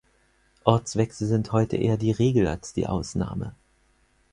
Ortswechsel sind heute eher die Regel als die Ausnahme.